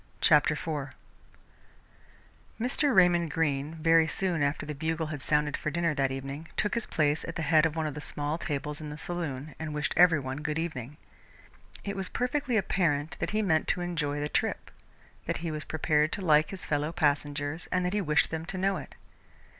CHAPTER IV Mr. Raymond Greene, very soon after the bugle had sounded for dinner that evening, took his place at the head of one of the small tables in the saloon and wished every one good evening. It was perfectly apparent that he meant to enjoy the trip, that he was prepared to like his fellow passengers and that he wished them to know it.